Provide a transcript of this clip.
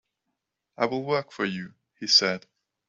"I'll work for you," he said.